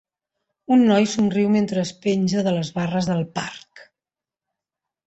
Un noi somriu mentre es penja de les barres del parc.